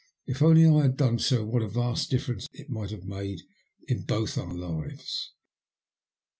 If only I had done so what a vast difference it might have made in both our lives.